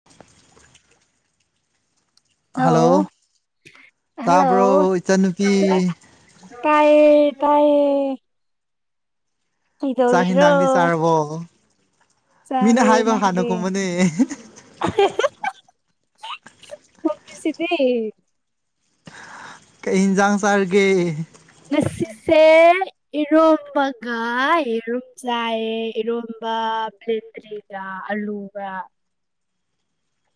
[unintelligible] hello ꯇꯥꯕ꯭ꯔꯣ hello ꯏꯆꯟꯅꯨꯄꯤ ꯇꯥꯏꯌꯦ ꯇꯥꯏꯌꯦ ꯀꯩꯗꯧꯔꯤꯔꯣ ꯑꯣꯍꯣ ꯆꯔꯦ ꯅꯪꯗꯤ ꯈꯨꯝꯃꯨꯅꯦ ꯊꯣꯡꯉꯤꯁꯤꯗꯤ ꯀꯩ ꯍꯤꯟꯖꯥꯡ ꯆꯥꯔꯒꯦ ꯉꯥꯁꯤꯁꯦ ꯏꯔꯣꯝꯕꯒ ꯏꯔꯨꯝ ꯆꯥꯏꯕꯦ ꯏꯔꯣꯝꯕ [unintelligible] ꯔꯥ ꯑꯜꯂꯨꯒ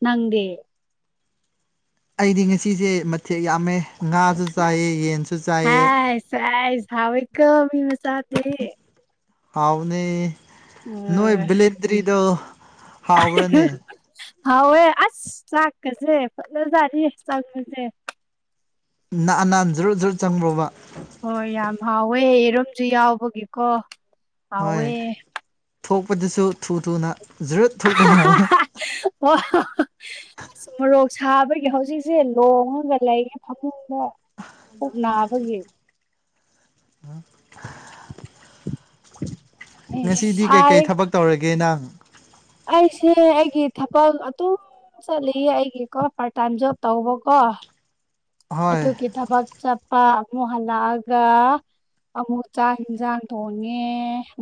ꯅꯪꯗꯤ ꯑꯩꯗꯤ ꯉꯁꯤꯖꯦ ꯃꯊꯦꯜ ꯌꯥꯝꯃꯦ ꯉꯥꯁꯨ ꯆꯥꯏꯌꯦ ꯌꯦꯟꯁꯨ ꯆꯥꯏꯌꯦ ꯁꯦꯁ ꯍꯥꯎꯋꯤꯀꯣ ꯃꯤ ꯃꯆꯗꯤ ꯍꯥꯎꯕꯅꯦ ꯑ ꯅꯣꯏ ꯕꯂꯦꯟꯗꯔꯤꯗꯣ ꯍꯥꯎꯕꯔꯅꯦ ꯍꯥꯎꯋꯦ ꯑꯁ ꯆꯥꯛ ꯀꯖꯦ ꯐꯖ ꯖꯠꯅꯤ ꯆꯡꯕꯖꯦ ꯅꯍꯥꯟ ꯅꯍꯥꯟ ꯖꯨꯔꯨꯠ ꯖꯨꯔꯨꯠ ꯆꯪꯕ꯭ꯔꯣꯕ ꯍꯣꯏ ꯌꯥꯝ ꯍꯥꯎꯋꯦ ꯌꯦꯔꯣꯝꯖꯨ ꯌꯥꯎꯕꯒꯤꯀꯣ ꯍꯣꯏ ꯍꯥꯎꯋꯦ ꯊꯣꯛꯄꯗꯁꯨ ꯊꯨ ꯊꯨꯅ ꯖꯨꯔꯠ ꯊꯣꯛꯇꯧ ꯃꯥꯜꯂꯦ ꯋꯥ [unintelligible] ꯑꯁ ꯃꯣꯔꯣꯛ ꯁꯥꯕꯒꯤ ꯍꯧꯖꯤꯛꯁꯦ ꯂꯣꯡꯉꯒ ꯂꯩꯌꯦ ꯐꯃꯨꯡꯗ ꯄꯨꯛ ꯅꯥꯕꯒꯤ [unintelligible] ꯉꯁꯤꯗꯤ ꯁꯥꯏ ꯀꯩꯀꯩ ꯊꯕꯛ ꯇꯧꯔꯒꯦ ꯅꯪ ꯑꯩꯁꯦ ꯑꯩꯒꯤ ꯊꯕꯛ ꯑꯗꯨꯝ ꯆꯠꯂꯤꯌꯦ ꯑꯩꯒꯤꯀꯣ ꯄꯥꯔꯠ ꯇꯥꯏꯝ ꯖꯣꯕ ꯇꯧꯕꯀꯣ ꯍꯣꯏ ꯑꯗꯨꯒꯤ ꯊꯕꯛ ꯆꯞꯄ ꯑꯃꯨꯛ ꯍꯜꯂꯛꯑꯒ ꯑꯃꯨꯛ ꯆꯥꯛ ꯍꯦꯟꯁꯥꯡ ꯊꯣꯡꯉꯦ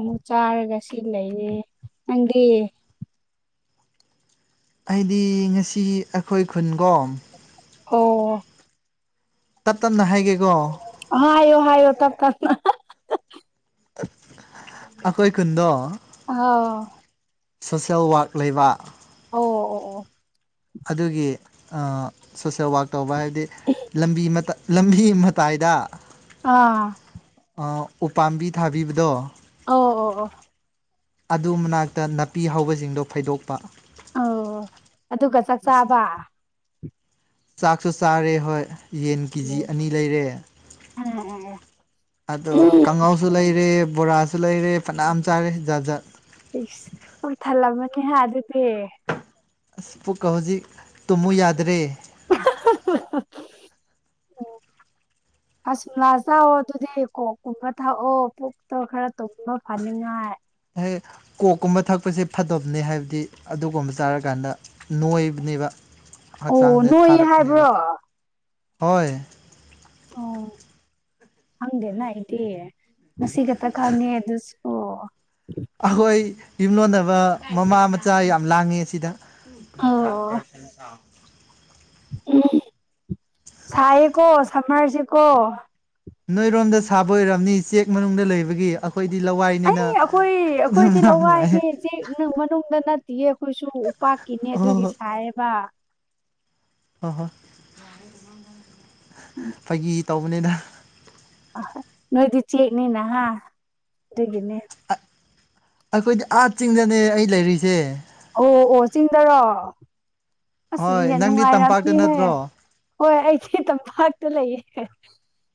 ꯃꯨꯛ ꯆꯥꯔꯒ ꯁꯤ ꯂꯩꯔꯦ ꯅꯪꯗꯤ ꯑꯩꯗꯤ ꯉꯁꯤ ꯑꯈꯣꯏ ꯈꯨꯟꯒꯣꯝ ꯍꯣ ꯇꯞ ꯇꯞꯅ ꯍꯥꯏꯒꯦꯀꯣ ꯍꯥꯏꯌꯣ ꯍꯥꯏꯌꯣ ꯇꯞ ꯇꯞꯅ ꯑꯈꯣꯏ ꯈꯨꯟꯗꯣ ꯍꯥꯎ ꯁꯣꯁꯦꯜ ꯋꯛ ꯂꯩꯕ ꯑꯣ ꯑꯣ ꯑꯣ ꯑꯗꯨꯒꯤ ꯑ ꯁꯣꯁꯦꯜ ꯋꯛ ꯇꯧꯕ ꯍꯥꯏꯕꯗꯤ ꯂꯝꯕꯤ ꯃꯇꯠ ꯂꯝꯕꯤ ꯃꯇꯥꯏꯗ ꯑꯥ ꯑ ꯎꯄꯥꯝꯕꯤ ꯊꯥꯕꯤꯕꯗꯣ ꯑꯥꯎ ꯑꯣ ꯑꯣ ꯑꯗꯨ ꯃꯅꯥꯛꯇ ꯅꯥꯄꯤ ꯍꯧꯕꯖꯤꯡꯗꯣ ꯐꯣꯏꯗꯣꯛꯄ ꯑꯣ ꯑꯗꯨꯒ ꯆꯛꯆꯥꯥꯕ ꯆꯥꯛꯁꯨ ꯆꯔꯦ ꯍꯣꯏ ꯌꯦꯟ ꯀꯤꯖꯤ ꯑꯅꯤ ꯂꯩꯔꯦ ꯑ ꯑꯗꯣ ꯑ ꯀꯥꯡꯉꯧ ꯖꯨ ꯂꯩꯔꯦ ꯕꯣꯔꯥꯁꯨ ꯂꯩꯔꯦ ꯐꯅꯌꯥꯝ ꯆꯥꯔꯦ ꯖꯥꯠ ꯖꯥꯠ ꯏꯁ ꯄꯨꯛ ꯊꯜꯂꯝꯃꯅꯤ ꯍꯥ ꯑꯗꯨꯗꯤ ꯑꯁ ꯄꯨꯛꯀ ꯍꯧꯖꯤꯛ ꯇꯨꯝꯃꯨ ꯌꯥꯗ꯭ꯔꯦ ꯑꯣ ꯑꯁ ꯆꯥꯛꯑꯣ ꯑꯗꯨꯗꯤ ꯀꯣꯛꯀꯨꯝꯕ ꯊꯥꯛꯑꯣ ꯄꯨꯛꯇꯣ ꯈꯔ ꯇꯨꯝꯕ ꯐꯅꯤꯡꯉꯥꯏ ꯍꯦꯛ ꯀꯣꯛꯀꯨꯝꯕ ꯊꯛꯄꯁꯦ ꯐꯠꯗꯕꯅꯤ ꯍꯥꯏꯕꯗꯤ ꯑꯗꯨꯒꯨꯝꯕ ꯆꯥꯔꯀꯥꯟꯗ ꯅꯣꯏꯕꯅꯦꯕ ꯑꯣ ꯍꯛꯆꯥꯡꯁꯦ ꯅꯣꯏꯌꯦ ꯍꯥꯏꯕ꯭ꯔꯣ ꯊꯥꯔꯛꯄꯅꯦꯕ ꯍꯣꯏ ꯑꯣ ꯈꯪꯗꯦꯅ ꯑꯩꯗꯤ ꯉꯁꯤꯈꯇ ꯈꯪꯉꯦ ꯑꯗꯨꯁꯨ ꯑꯍꯣꯏ ꯌꯨꯝꯂꯣꯟꯅꯕ ꯃꯃꯥ ꯃꯆꯥ ꯌꯥꯝ ꯂꯥꯡꯉꯦ ꯁꯤꯗ [inaudible] ꯑꯣ ꯎꯝ ꯁꯥꯏꯌꯦꯀꯣ ꯁꯝꯃ꯭ꯔꯁꯤ ꯀꯣ ꯅꯣꯏꯔꯣꯝꯗ ꯁꯥꯕ ꯑꯣꯏꯔꯝꯅꯤ ꯆꯦꯛ ꯃꯅꯨꯡꯗ ꯂꯩꯕꯒꯤ ꯈꯣꯏꯗꯤ ꯑꯩ ꯂꯋꯥꯏꯅꯤꯅ ꯑꯩꯈꯣꯏ ꯑꯗꯨꯝ ꯑꯩꯈꯣꯏꯗꯤ ꯌꯥꯝ ꯅꯨꯡꯉꯥꯏꯌꯦ ꯂꯋꯥꯏꯅꯦ ꯆꯦꯛ ꯅꯨꯡ ꯃꯅꯨꯡꯗ ꯅꯠꯇꯤꯌꯦ ꯈꯣꯏꯁꯨ ꯎꯄꯥꯛꯀꯤꯅꯦ ꯑꯣ ꯍꯣ ꯑꯗꯨꯒꯤ ꯍꯣꯏ ꯁꯥꯏꯌꯦꯕ ꯍꯣꯏ ꯍꯣꯏ [inaudible] ꯎꯝ ꯐꯥꯒꯤ ꯇꯧꯕꯅꯤꯗ ꯑ ꯅꯣꯏꯗꯤ ꯆꯦꯛꯅꯤꯅ ꯍꯥ ꯑꯗꯨꯒꯤꯅꯦ ꯑꯈꯣꯏꯗꯤ ꯑꯥꯆꯤꯡꯗꯅꯦ ꯑꯩ ꯂꯩꯔꯤꯖꯦ ꯑꯣ ꯑꯣ ꯆꯤꯡꯗꯔꯣ ꯑꯁꯤꯗꯤ ꯍꯣꯏ ꯅꯪꯗꯤ ꯇꯝꯄꯥꯛꯇ ꯅꯨꯡꯉꯥꯏꯔꯝꯅꯤꯍꯦ ꯅꯠꯇ꯭ꯔꯣ ꯍꯣꯏ ꯑꯩꯗꯤ ꯇꯝꯄꯥꯛꯇ ꯂꯩꯌꯦ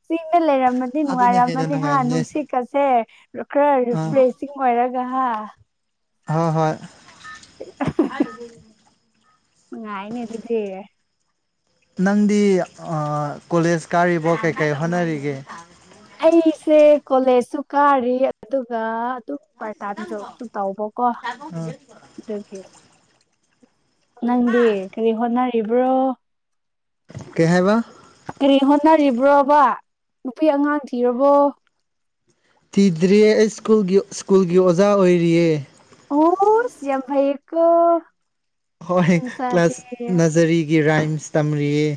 ꯆꯤꯡꯗ ꯂꯩꯔꯝꯃ ꯗꯤ ꯑꯗꯨꯅ ꯍꯦꯟꯅ ꯅꯨꯡꯉꯥꯏꯔꯝꯃꯅꯤ ꯍꯥ ꯅꯨꯡꯉꯥꯏꯕꯅꯦ ꯅꯨꯡꯁꯤꯠꯀꯁꯦ ꯈꯔ ꯈꯔ ꯑꯥ ꯔꯤꯐ꯭ꯔꯦꯁꯤꯡ ꯑꯣꯏꯔꯒ ꯍꯥ ꯍꯥ ꯍꯣꯏ [inaudible] ꯅꯨꯉꯥꯏꯅꯦ ꯑꯗꯨꯗꯤ ꯅꯪꯗꯤ ꯑ ꯀꯣꯂꯦꯖ ꯀꯥꯔꯤꯕꯣ ꯀꯩꯀꯩ ꯍꯣꯠꯅꯔꯤꯒꯦ ꯑꯩꯁꯦ ꯀꯣꯂꯦꯖꯁꯨ ꯀꯥꯔꯤ ꯑꯗꯨꯒ ꯗꯨꯝ ꯄꯥꯠꯇꯥꯏꯝ ꯖꯣꯕꯁꯨ ꯇꯧꯕꯀꯣ ꯗꯨꯒꯤ ꯅꯪꯗꯤ ꯀꯔꯤ ꯍꯣꯠꯅꯔꯤꯕ꯭ꯔꯣ ꯀꯩ ꯍꯥꯏꯕ ꯀꯔꯤ ꯍꯣꯠꯅꯔꯤꯕ꯭ꯔꯣꯕ ꯅꯨꯄꯤ ꯑꯉꯥꯡ ꯊꯤꯔꯕꯣ ꯇꯤꯗ꯭ꯔꯤꯌꯦ ꯑꯩ ꯁ꯭ꯀꯨꯜꯒꯤ ꯁ꯭ꯀꯨꯜꯒꯤ ꯑꯣꯖꯥ ꯑꯣꯏꯔꯤꯌꯦ ꯑꯣꯁ ꯌꯥꯝ ꯐꯩꯌꯦꯀꯣ ꯃꯤ ꯍꯣꯏ ꯃꯆꯥꯗꯤ ꯀ꯭ꯂꯥꯁ ꯅꯖꯔꯤꯒꯤ ꯔꯥꯏꯝꯁ ꯇꯝꯔꯤꯌꯦ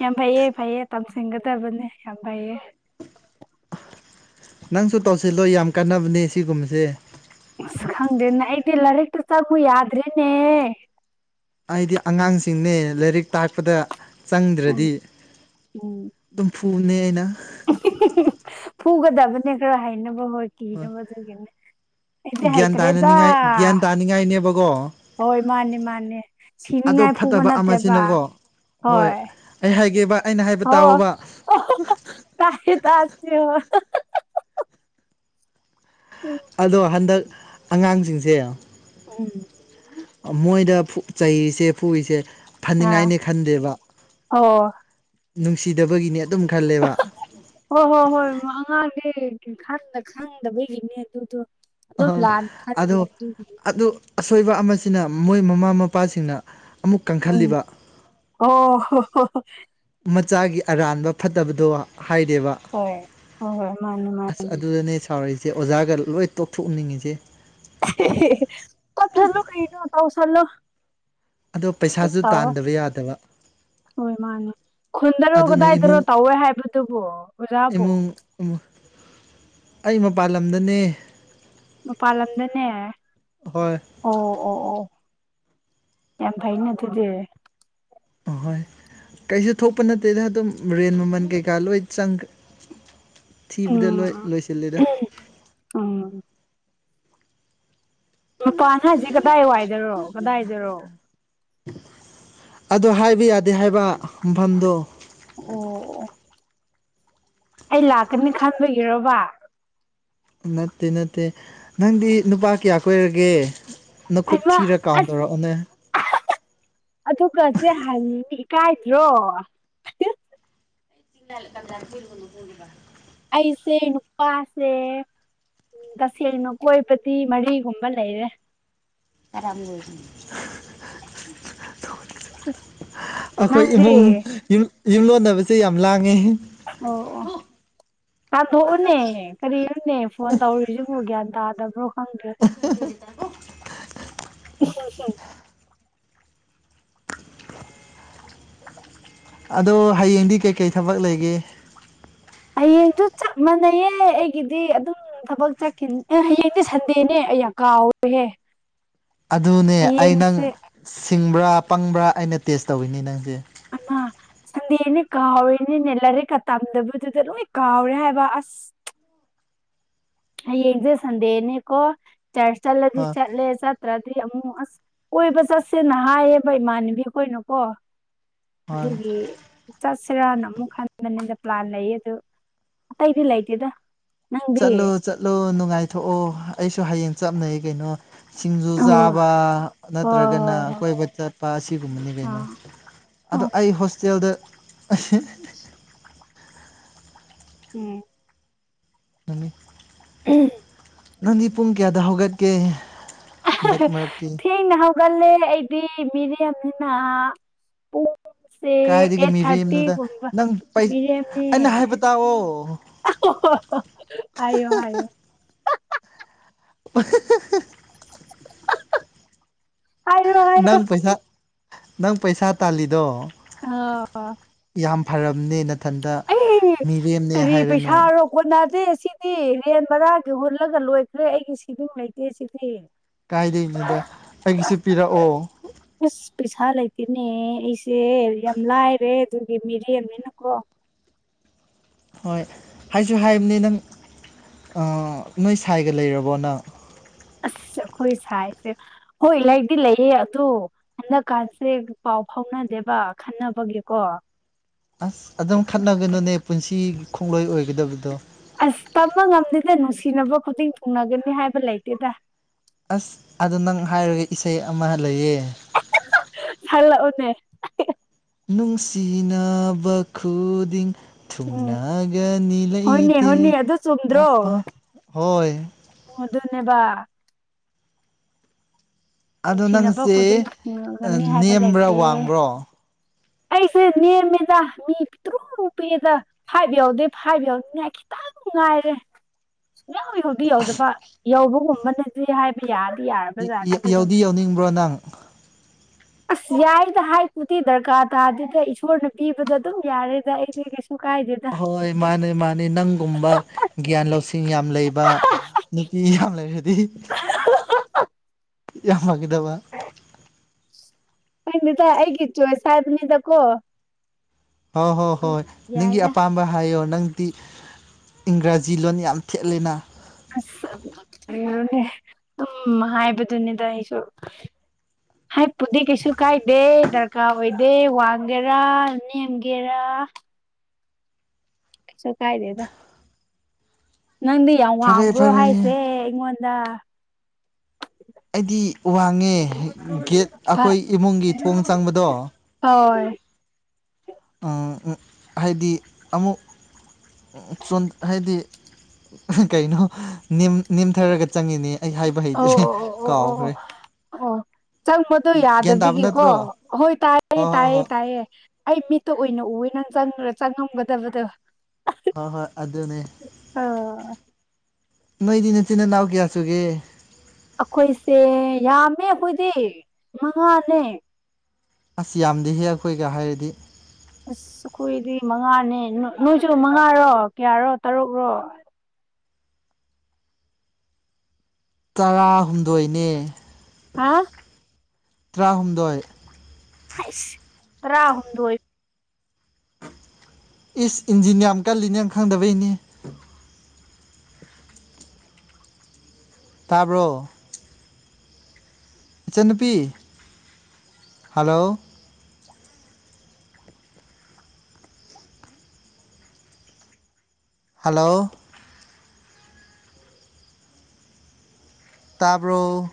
ꯌꯥꯝ ꯐꯩꯌꯦ ꯐꯩꯌꯦ ꯇꯝꯁꯤꯟꯒꯗꯕꯅꯦ ꯌꯥꯝ ꯐꯩꯌꯦ ꯅꯪꯁꯨ ꯇꯧꯁꯤꯜꯂꯣ ꯌꯥꯝ ꯀꯥꯟꯅꯕꯅꯦ ꯁꯤꯒꯨꯝꯕꯁꯦ ꯑꯁ ꯈꯪꯗꯦꯅꯦ ꯑꯩꯗꯤ ꯂꯥꯏꯔꯤꯛꯇꯨ ꯆꯪꯉꯨ ꯌꯥꯗ꯭ꯔꯦꯅꯦ ꯑꯩꯗꯤ ꯑꯉꯥꯡꯁꯤꯡꯅꯦ ꯂꯥꯏꯔꯤꯛ ꯇꯥꯛꯄꯗ ꯎꯝ ꯆꯪꯗ꯭ꯔꯗꯤ ꯎꯝ ꯑꯗꯨꯝ ꯐꯨꯅꯤ ꯑꯩꯅ ꯐꯨꯒꯗꯕꯅꯦ ꯈꯔ ꯍꯩꯅꯕ ꯍꯣꯏ ꯀꯤꯅꯕ ꯑꯗꯨꯒꯤꯅꯦ ꯑꯩꯗꯤ ꯒ꯭ꯌꯥꯟ ꯍꯩꯇ꯭ꯔꯦꯗ ꯇꯥꯅꯅꯤꯡꯉꯥꯏ ꯒ꯭ꯌꯥꯟ ꯇꯥꯅꯤꯡꯉꯥꯏꯅꯦꯕꯀꯣ ꯍꯣꯏ ꯃꯥꯅꯤ ꯃꯥꯅꯦ ꯑꯗꯣ ꯁꯤꯅꯤꯉꯥꯏ ꯐꯨꯕ ꯐꯠꯇꯕ ꯅꯠꯇꯦꯕ ꯑꯃꯁꯤꯅꯀꯣ ꯍꯣꯏ ꯑꯩ ꯍꯥꯏꯒꯦꯕ ꯑꯩꯅ ꯍꯥꯏꯕ ꯇꯥꯑꯣꯕ ꯑꯣꯍꯣ ꯇꯥꯏꯌꯦ ꯇꯥꯁꯦ ꯍꯣꯏ ꯎꯝ ꯑꯗꯣ ꯍꯟꯗꯛ ꯑꯉꯥꯡꯖꯤꯡꯖꯦ ꯎꯝ ꯃꯣꯏꯗ ꯐꯨ ꯆꯩꯔꯤꯁꯦ ꯐꯨꯔꯤꯁꯦ ꯑꯥ ꯐꯅꯤꯡꯉꯥꯏꯅꯦ ꯈꯟꯗꯦꯕ ꯑꯣ ꯅꯨꯡꯁꯤꯗꯕꯒꯤꯅꯦ ꯑꯗꯨꯝ ꯈꯜꯂꯦꯕ ꯍꯣꯏ ꯍꯣꯏ ꯍꯣꯏ ꯑꯉꯥꯡꯅꯦ ꯈꯪꯗ ꯈꯪꯗꯕꯒꯤꯅꯦ ꯑꯗꯨꯗꯣ ꯑ ꯑꯗꯨꯝ ꯂꯥꯥꯟꯅ ꯈꯟ ꯑꯗꯣ ꯑꯗꯨ ꯑꯁꯣꯏꯕ ꯑꯃꯁꯤꯅ ꯃꯣꯏ ꯃꯃꯥ ꯃꯄꯥꯁꯤꯡꯅ ꯑꯃꯨꯛ ꯎꯝ ꯀꯟꯈꯠꯂꯤꯕ ꯑꯣ ꯃꯆꯥꯒꯤ ꯑꯔꯥꯟꯕ ꯐꯠꯇꯕꯗꯣ ꯍꯥꯏꯗꯦꯕ ꯍꯣꯏ ꯍꯣ ꯍꯣꯏ ꯃꯥꯅꯦ ꯃꯥꯅꯦ ꯑꯁ ꯑꯗꯨꯗꯅꯦ ꯁꯥꯎꯔꯤꯁꯦ ꯑꯣꯖꯥꯒ ꯂꯣꯏ ꯇꯣꯛꯊꯣꯛꯅꯤꯡꯉꯤꯁꯦ ꯀꯣꯀꯊꯠꯂꯨ ꯀꯩꯅꯣ ꯇꯧꯁꯟꯂꯨ ꯑꯗꯣ ꯄꯩꯁꯥꯁꯨ ꯇꯥꯟꯗꯕ ꯌꯥꯗꯕ ꯍꯣꯏ ꯃꯥꯅꯦ ꯈꯨꯟꯗꯔꯣ ꯑꯗꯨꯅ ꯀꯗꯥꯏꯗꯔꯣ ꯏꯃꯨꯡ ꯇꯧꯋꯦ ꯍꯥꯏꯕꯗꯨꯕꯣ ꯑꯣꯖꯥꯕꯨ ꯏꯃꯨꯡ ꯑꯩ ꯃꯄꯥꯟ ꯂꯝꯗꯅꯦ ꯃꯄꯥꯅ ꯂꯝꯗꯅꯦ ꯑꯣ ꯍꯣꯏ ꯑꯣ ꯑꯣ ꯌꯥꯝ ꯐꯩꯅꯦ ꯑꯗꯨꯗꯤ ꯑꯍꯣꯏ ꯀꯩꯁꯨ ꯊꯣꯛꯄ ꯅꯠꯇꯦꯗ ꯑꯗꯨꯝ ꯔꯦꯟ ꯃꯃꯜ ꯀꯩꯀꯥ ꯂꯣꯏ ꯆꯪ ꯊꯤꯕꯗ ꯂꯣꯏ ꯎꯝ ꯂꯣꯏꯁꯤꯂꯦꯗ [unintelligible] ꯃꯄꯥꯟ ꯍꯥꯏꯁꯦ ꯀꯗꯥꯏ ꯋꯥꯏꯗꯔꯣ ꯀꯗꯥꯏꯗꯔꯣ ꯑꯗꯣ ꯍꯥꯏꯕ ꯌꯥꯗꯦ ꯍꯥꯏꯕ ꯃꯐꯝꯗꯣ ꯑꯣ ꯑꯩ ꯂꯥꯛꯀꯅꯤ ꯈꯟꯕꯒꯤꯔꯣꯕ ꯅꯠꯇꯦ ꯅꯠꯇꯦ ꯅꯪꯗꯤ ꯅꯨꯄꯥ ꯀꯌꯥ ꯀꯣꯏꯔꯒꯦ ꯅꯈꯨꯠ ꯑꯩꯃ ꯊꯤꯔꯛ ꯀꯥꯎꯟ ꯑꯁ ꯇꯧꯔꯛꯑꯣꯅꯦ ꯑꯗꯨꯒꯁꯦ ꯍꯥꯏꯅꯤꯡꯗꯦ ꯏꯀꯥꯏꯗ꯭ꯔꯣ [unintelligible] ꯑꯩꯁꯦ ꯅꯨꯄꯥꯁꯦ ꯇꯥꯁꯦꯡꯅ ꯀꯣꯏꯕꯗꯤ ꯃꯔꯤꯒꯨꯝꯕ ꯂꯩꯔꯦ [unintelligible] ꯑꯈꯣꯏ ꯅꯪꯗꯤ ꯏꯃꯨꯡ ꯌꯨꯝꯂꯣꯟꯅꯕꯁꯦ ꯌꯥꯝ ꯂꯥꯡꯉꯦꯍꯦ ꯑꯣ ꯑꯣ ꯇꯥꯟꯗꯣꯛꯑꯣꯅꯦ ꯀꯔꯤꯅꯣꯅꯦ ꯐꯣꯟ ꯇꯧꯔꯤꯁꯤꯕꯨ ꯒ꯭ꯌꯥꯟ ꯇꯥꯗꯕ꯭ꯔꯣ ꯈꯪꯗ꯭ꯔꯦ [unintelligible] [unintelligible] ꯑꯗꯣ ꯍꯌꯦꯡꯗꯤ ꯀꯩꯀꯩ ꯊꯕꯛ ꯂꯩꯒꯦ ꯍꯌꯦꯡꯁꯨ ꯆꯞ ꯃꯥꯟꯅꯩꯌꯦ ꯑꯩꯒꯤꯗꯤ ꯑꯗꯨꯝ ꯊꯕꯛ ꯆꯠꯈꯤꯅꯤ ꯑꯦ ꯍꯌꯦꯡꯗꯤ ꯁꯟꯗꯦꯅꯦ ꯑꯌꯥ ꯀꯥꯎꯔꯦꯍꯦ ꯑꯗꯨꯅꯦ ꯑꯩ ꯅꯪ ꯁꯤꯡꯕ꯭ꯔꯥ ꯄꯪꯕ꯭ꯔꯥ ꯑꯩꯅ ꯇꯦꯁ ꯇꯧꯋꯤꯅꯤ ꯅꯪꯁꯦ ꯑꯃ ꯁꯟꯗꯦꯅꯦ ꯀꯥꯎꯔꯤꯅꯤꯅꯦ ꯂꯥꯏꯔꯤꯛꯀ ꯇꯝꯗꯕꯗꯨꯗ ꯂꯣꯏ ꯀꯥꯎꯔꯦ ꯍꯥꯏꯕ ꯑꯁ ꯍꯌꯦꯡꯁꯦ ꯁꯟꯗꯦꯅꯦꯀꯣ ꯆꯔꯆ ꯆꯠꯂꯗꯤ ꯍꯣꯏ ꯆꯠꯂꯦ ꯆꯠ ꯇ꯭ꯔꯗꯤ ꯑꯃꯨꯛ ꯑꯁ ꯀꯣꯏꯕ ꯆꯠꯁꯦꯅ ꯍꯥꯏꯌꯦꯕ ꯏꯃꯥꯟꯅꯕꯤꯈꯣꯏꯅꯀꯣ ꯍꯣꯏ ꯑꯗꯨꯒꯤ ꯆꯠꯁꯤꯔꯅ ꯑꯃꯨꯛ ꯈꯟꯕꯅꯤꯗ ꯄꯂ꯭ꯥꯟ ꯂꯩꯌꯦ ꯑꯗꯨ ꯑꯩꯗꯤ ꯂꯩꯇꯦꯗ ꯅꯪꯗꯤ ꯆꯠꯂꯣ ꯆꯠꯂꯣ ꯅꯨꯡꯉꯥꯏꯊꯣꯛꯑꯣ ꯑꯩꯁꯨ ꯍꯌꯦꯡ ꯆꯞꯅꯩ ꯀꯩꯅꯣ ꯁꯤꯡꯖꯨ ꯊꯦꯡꯅ ꯆꯥꯕ ꯅꯠꯇ꯭ꯔꯒꯅ ꯀꯣꯏꯕ ꯆꯠ ꯂꯄꯥ ꯑꯁꯤꯒꯨꯝꯕꯅꯤ ꯀꯩꯅꯣ ꯑꯗꯣ ꯑꯩ ꯍꯣꯁꯇꯦꯜꯗ ꯍꯨꯝ ꯅꯨꯃꯤꯠ ꯎꯝ ꯅꯪꯗꯤ ꯄꯨꯡ ꯀꯌꯥꯗ ꯍꯧꯒꯠꯀꯦ ꯍꯟꯗꯛ ꯃꯔꯛꯇꯤ ꯊꯦꯡꯅ ꯍꯧꯒꯠꯂꯦ ꯑꯩꯗꯤ ꯃꯤꯔꯦꯝꯅꯤꯅ ꯄꯨꯡ ꯁꯦ ꯀꯥꯏꯗꯒꯤ ꯑꯩꯠ ꯃꯤꯔꯦꯝꯅꯣꯗ ꯊꯥꯔꯇꯤꯒꯨꯝꯕ ꯅꯪ ꯃꯤꯔꯦꯝꯅꯦ ꯑꯩꯅ ꯍꯥꯏꯕ ꯇꯥꯛꯑꯣ ꯍꯥꯏꯌꯣ ꯍꯥꯏꯌꯣ [unintelligible] ꯍꯥꯏꯔꯣ ꯍꯥꯏꯔꯣ ꯅꯪ ꯄꯩꯁꯥ ꯅꯪ ꯄꯩꯁꯥ ꯇꯥꯜꯂꯤꯗꯣ ꯑ ꯌꯥꯝ ꯐꯔꯝꯅꯦ ꯅꯊꯟꯇ ꯑꯦ ꯀꯔꯤ ꯄꯩꯁꯥꯅꯣ ꯀꯣꯟꯅꯗꯦ ꯁꯤꯗꯤ ꯔꯦꯟ ꯕꯔꯥꯒꯤ ꯍꯨꯜꯂꯒ ꯂꯣꯏꯈ꯭ꯔꯦ ꯑꯩꯒꯤ ꯁꯦꯕꯤꯡ ꯂꯩꯇꯦ ꯁꯤꯗꯤ ꯀꯥꯏꯗꯩꯅꯣꯗ ꯑꯩꯒꯤꯁꯨ ꯄꯤꯔꯛꯑꯣ ꯏꯁ ꯄꯩꯁꯥ ꯂꯩꯇꯦꯅꯦ ꯑꯩꯁꯦ ꯌꯥꯝ ꯂꯥꯏꯔꯦ ꯑꯗꯨꯒꯤ ꯃꯤꯔꯦꯝꯅꯤꯅꯀꯣ ꯍꯣꯏ ꯍꯥꯏꯁꯨ ꯍꯥꯏꯕꯅꯤ ꯅꯪ ꯅꯣꯏ ꯁꯥꯏꯒ ꯂꯩꯔꯕꯣ ꯅꯪ ꯑꯁ ꯑꯩꯈꯣꯏ ꯁꯥꯏꯁꯦ ꯍꯣꯏ ꯂꯩꯗꯤ ꯂꯩꯌꯦ ꯑꯗꯣ ꯍꯟꯗꯛ ꯀꯥꯁꯦ ꯄꯥꯎ ꯐꯥꯎꯅꯗꯦꯕ ꯈꯟꯅꯕꯒꯤꯀꯣ ꯑꯁ ꯑꯗꯨꯝ ꯈꯠꯅꯒꯅꯨꯅꯦ ꯄꯨꯟꯁꯤ ꯈꯣꯡꯂꯣꯏ ꯑꯣꯏꯒꯗꯕꯗꯣ ꯑꯁ ꯇꯝꯕ ꯉꯝꯗꯦꯗ ꯅꯨꯡꯁꯤꯅꯕ ꯈꯨꯗꯤꯡ ꯊꯨꯡꯅꯒꯅꯤ ꯍꯥꯏꯕ ꯂꯩꯇꯦꯗ ꯑꯁ ꯑꯗꯣ ꯅꯪ ꯍꯥꯏꯔꯒ ꯏꯁꯩ ꯑꯃ ꯂꯩꯌꯦ ꯁꯛꯂꯛꯎꯅꯦ ꯅꯨꯡꯁꯤꯅꯕ ꯈꯨꯗꯤꯡ ꯎꯝ ꯊꯨꯡꯅꯒꯅꯤ ꯍꯣꯏꯅꯦ ꯂꯩꯩꯇꯦ ꯍꯣꯏꯅꯦ ꯑꯗꯨ ꯑꯄꯥꯝ ꯍꯣꯏ ꯑꯣ ꯑꯗꯨꯅꯦꯕ ꯑꯗꯣ ꯅꯨꯡꯁꯤꯅꯕ ꯈꯨꯗꯤꯡ ꯅꯪꯁꯦ ꯊꯨꯡꯅꯒꯅꯤ ꯍꯥꯏꯕ ꯅꯦꯝꯕ꯭ꯔꯥ ꯂꯩꯇꯦ ꯋꯥꯡꯕ꯭ꯔꯣ ꯑꯩꯁꯦ ꯅꯦꯝꯃꯦꯗ ꯃꯤ ꯄꯤꯛꯇꯔꯨ ꯄꯤꯛ ꯑꯦ ꯗ ꯐꯥꯏꯚ ꯌꯥꯎꯗꯦ ꯐꯥꯏꯚ ꯌꯥꯎꯅꯤꯡꯉꯥꯏ ꯈꯤꯇꯪ ꯉꯥꯏꯔꯦ ꯁꯨꯛꯌꯧ ꯌꯧꯗꯤ ꯌꯧꯗꯕ ꯌꯧꯕꯒꯨꯝꯕꯅꯗꯤ ꯍꯥꯏꯕ ꯌꯥꯔꯗꯤ ꯌꯥꯔꯕꯖꯅꯤꯗ ꯑꯗꯨꯝ ꯌꯥꯎꯅꯤꯡꯕ꯭ꯔꯣ ꯅꯪ ꯑꯁ ꯌꯥꯏꯗ ꯍꯥꯏꯄꯨꯗꯤ ꯗꯔꯀꯥꯔ ꯇꯥꯔꯗꯦꯗ ꯏꯁꯣꯔꯅ ꯄꯤꯕꯗ ꯑꯗꯨꯝ ꯌꯥꯔꯦꯗ ꯑꯩꯗꯤ ꯀꯩꯁꯨ ꯀꯥꯏꯗꯦꯗ ꯍꯣꯏ ꯃꯥꯅꯦ ꯃꯥꯅꯦ ꯅꯪꯒꯨꯝꯕ ꯒ꯭ꯌꯥꯟ ꯂꯧꯁꯤꯡ ꯌꯥꯝ ꯂꯩꯕ ꯅꯨꯄꯤ ꯌꯥꯝ ꯂꯩꯔꯗꯤ ꯌꯥꯝ ꯐꯒꯗꯕ ꯀꯪꯗꯦꯗ ꯑꯩꯒꯤ ꯆꯣꯏꯁ ꯍꯥꯏꯕꯅꯤꯗ ꯀꯣ ꯍꯣꯏ ꯍꯣꯏ ꯍꯣꯏ ꯅꯪꯒꯤ ꯌꯥꯏꯗ ꯑꯄꯥꯝꯕ ꯍꯥꯏꯌꯣ ꯅꯪ ꯇꯤ ꯏꯪꯒ꯭ꯔꯥꯖꯤ ꯂꯣꯟ ꯌꯥꯝ ꯊꯦꯠꯂꯦꯅ ꯑꯁ ꯀꯩꯅꯣꯅꯦ ꯑꯗꯨꯝ ꯍꯥꯏꯕꯗꯨꯅꯤꯗ ꯑꯩꯁꯨ [unintelligible] ꯍꯥꯏꯄꯨꯗꯤ ꯀꯩꯁꯨ ꯀꯥꯏꯗꯦ ꯗꯔꯀꯥꯔ ꯑꯣꯏꯗꯦ ꯋꯥꯡꯒꯦꯔꯥ ꯅꯦꯝꯒꯦꯔꯥ ꯁꯣ ꯀꯥꯏꯗꯦꯗ ꯅꯪꯗꯤ ꯌꯥꯝ ꯐꯔꯦ ꯋꯥꯡꯕ꯭ꯔꯣ ꯐꯔꯦ ꯍꯥꯏꯁꯦ ꯑꯩꯉꯣꯟꯗ ꯑꯩꯗꯤ ꯋꯥꯡꯉꯦ ꯒꯦꯠ ꯑꯩꯈꯣꯏ ꯏꯃꯨꯡꯒꯤ ꯊꯣꯡ ꯆꯪꯕꯗꯣ ꯍꯣꯏ ꯎꯝ ꯎꯝ ꯍꯥꯏꯗꯤ ꯑꯃꯨꯛ ꯆꯣꯟ ꯍꯥꯏꯗꯤ ꯀꯩꯅꯣ ꯅꯤꯝ ꯅꯤꯝꯊꯔꯒ ꯆꯪꯉꯤꯅꯦ ꯑꯩ ꯍꯥꯏꯕ ꯑꯣ ꯍꯩꯇ꯭ꯔꯦ ꯑꯣ ꯑꯣ ꯑꯣ ꯑꯣ ꯀꯥꯎꯒ꯭ꯔꯦ ꯑꯣ ꯆꯪꯕꯗꯣ ꯌꯥꯗꯕꯒꯤꯀꯣ ꯍꯣꯏ ꯇꯥꯏꯌꯦ ꯍꯣꯏ ꯍꯣꯏ ꯇꯥꯏꯌꯦ ꯍꯣꯏ ꯇꯥꯏꯌꯦ ꯑꯩ ꯃꯤꯠꯇ ꯑꯣꯏꯅ ꯎꯋꯦ ꯅꯪ ꯆꯪ ꯆꯪꯉꯝꯒꯗꯕꯗꯣ ꯍꯣꯏ ꯍꯣꯏ ꯑꯗꯨꯅꯦ ꯑꯥ ꯅꯣꯏꯗꯤ ꯅꯆꯤꯟ ꯅꯅꯥꯎ ꯀꯌꯥꯁꯨꯒꯦ ꯑꯈꯣꯏꯁꯦ ꯌꯥꯝꯃꯦ ꯑꯈꯣꯏꯗꯤ ꯃꯉꯥꯅꯦ ꯑꯁ ꯌꯥꯝꯗꯦ ꯍꯦ ꯑꯈꯣꯏꯒ ꯍꯥꯏꯔꯗꯤ ꯑꯁ ꯑꯈꯣꯏꯗꯤ ꯃꯉꯥꯅꯦ ꯅꯣꯏꯁꯨ ꯃꯉꯥꯔꯣ ꯀꯌꯥꯔꯣ ꯇꯔꯨꯛꯔꯣ ꯇꯔꯥꯍꯨꯝꯗꯣꯏꯅꯦ ꯍꯥ ꯇꯔꯥꯍꯨꯝꯗꯣꯏ ꯇꯔꯥꯍꯨꯝꯗꯣꯏ ꯏꯁ ꯏꯟꯖꯤꯟ ꯌꯥꯝ ꯀꯜꯂꯤꯅꯪ ꯈꯪꯗꯕꯩꯅꯤ ꯇꯥꯕ꯭ꯔꯣ ꯏꯆꯟꯅꯨꯄꯤ ꯍꯜꯂꯣ ꯍꯜꯂꯣ ꯇꯥꯕ꯭ꯔꯣ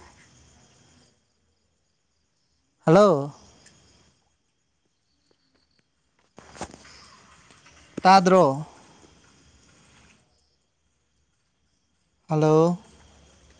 ꯍꯜꯂꯣ ꯇꯗ꯭ꯔꯣ ꯍꯜꯂꯣ